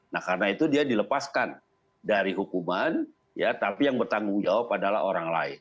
nah karena itu dia dilepaskan dari hukuman ya tapi yang bertanggung jawab adalah orang lain